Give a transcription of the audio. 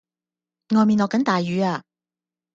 外面落緊大雨呀